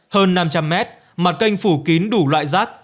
hơn năm trăm linh m mặt kênh phủ kín đủ loại rác